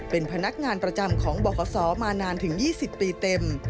เป็นพนักงานประจำของบขมานานถึง๒๐ปีเต็ม